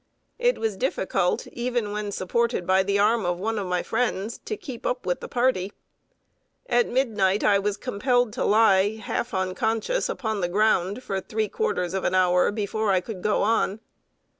It was difficult, even when supported by the arm of one of my friends, to keep up with the party. At midnight I was compelled to lie, half unconscious, upon the ground, for three quarters of an hour, before I could go on.